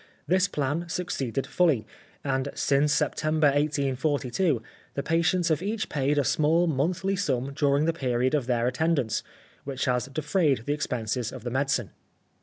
This plan succeeded fully, and since September 1842 the patients have each paid a small monthly sum during the period of their attendance, which has defrayed the expenses of the medicine.